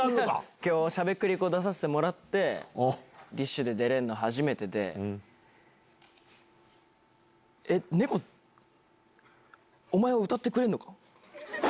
きょう、しゃべくり出させてもらって、ＤＩＳＨ／／で出れるの初めてで、猫、お前は歌ってくれるのか？